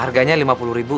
harganya lima puluh ribu